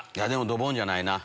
ドボンじゃないな